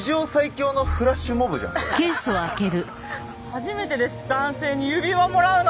初めてです男性に指輪もらうの。